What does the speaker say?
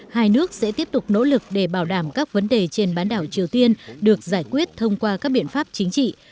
hai nước sẽ tiếp tục nỗ lực để bảo đảm các vấn đề trên bán đảo triều tiên được giải quyết thông qua các biện pháp chính trị